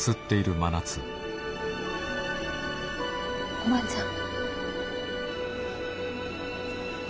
おばあちゃん。